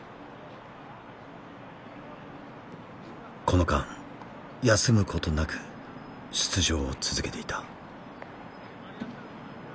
この間休むことなく出場を続けていた。